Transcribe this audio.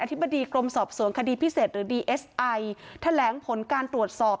ธิบดีกรมสอบสวนคดีพิเศษหรือดีเอสไอแถลงผลการตรวจสอบ